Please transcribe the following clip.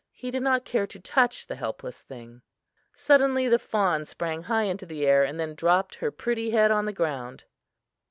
He did not care to touch the helpless thing. Suddenly the fawn sprang high into the air and then dropped her pretty head on the ground.